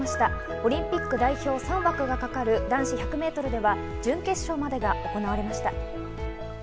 オリンピック代表３枠が懸かる男子１００ｍでは準決勝までが行われました。